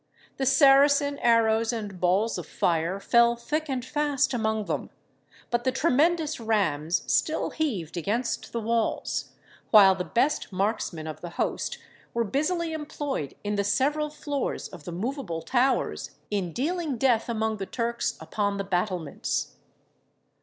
The Saracen arrows and balls of fire fell thick and fast among them, but the tremendous rams still heaved against the walls, while the best marksmen of the host were busily employed in the several floors of the moveable towers in dealing death among the Turks upon the battlements.